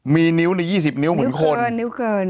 มีนิ้วใน๒๐นิ้วเหมือนคน